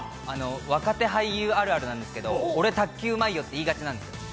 若手俳優あるあるなんですけど、俺、卓球うまいよって言いがちなんですよ。